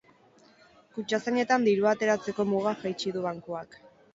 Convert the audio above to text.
Kutxazainetan dirua ateratzeko muga jaitsi du bankuak.